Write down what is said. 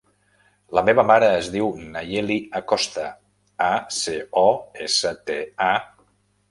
La meva mare es diu Nayeli Acosta: a, ce, o, essa, te, a.